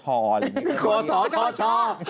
โคสอชอห์